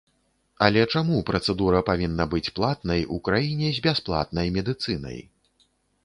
Але чаму працэдура павінна быць платнай у краіне з бясплатнай медыцынай?